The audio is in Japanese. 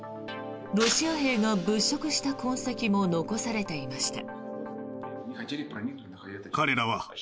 ロシア兵が物色した痕跡も残されていました。